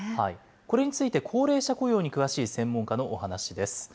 これについて高齢者雇用に詳しい専門家のお話です。